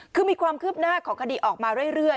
คือมีความคืบหน้าของคดีออกมาเรื่อย